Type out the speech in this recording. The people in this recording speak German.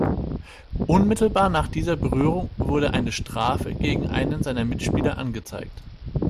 Unmittelbar nach dieser Berührung wurde eine Strafe gegen einen seiner Mitspieler angezeigt.